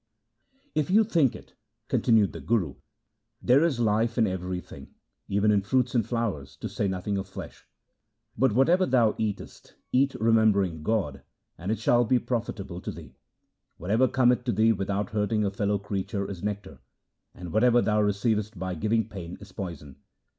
' If you think of it,' continued the Guru, ' there is life in everything, even in fruits and flowers, to say nothing of flesh ; but whatever thou eatest, eat remembering God, and it shall be profitable to thee. Whatever cometh to thee without hurting a fellow creature is nectar, and whatever thou receivest by giving pain is poison.